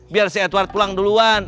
biar si edward pulang duluan